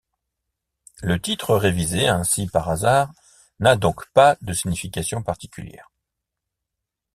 Le titre révisé ainsi par hasard n'a donc pas de signification particulière.